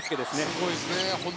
すごいですね。